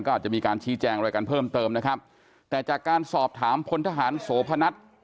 ก็อาจจะมีการชี้แจงอะไรกันเพิ่มเติมนะครับแต่จากการสอบถามพลทหารโสพนัท